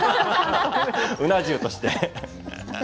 うな重として。